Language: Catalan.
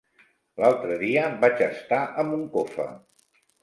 L'altre dia vaig estar a Moncofa.